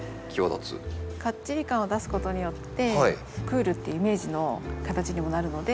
かっちり感を出すことによってクールっていうイメージの形にもなるので。